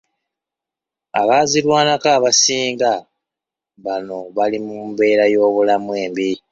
Abaazirwanako abasinga bano bali mu mbeera y'obulamu embi .